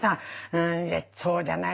うんいやそうじゃない。